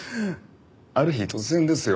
ある日突然ですよ。